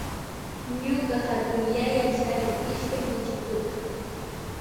Ñuka hatunyaya charin ishkay muchiku